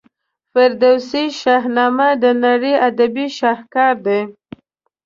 فردوسي شاهنامه د نړۍ ادبي شهکار دی.